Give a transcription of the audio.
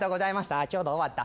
あっちょうど終わった。